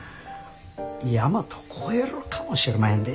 大和超えるかもしれまへんで。